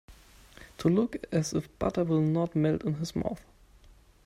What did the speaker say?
To look as if butter will not melt in his mouth.